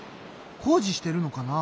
工事してるのかな？